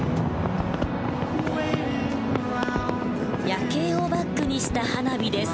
夜景をバックにした花火です。